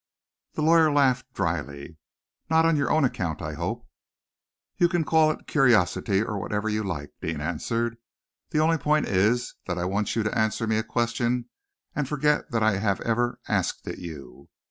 The lawyer laughed dryly. "Not on your own account, I hope?" "You can call it curiosity, or whatever you like," Deane answered. "The only point is that I want you to answer me a question, and forget that I have ever asked it you.